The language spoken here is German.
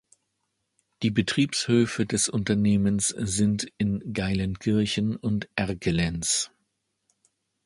Die Betriebshöfe des Unternehmens sind in Geilenkirchen und Erkelenz.